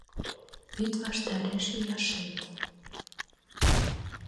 Вӱд ваштареш ияшет